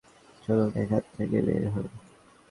চলুন এখান থেকে বের হই!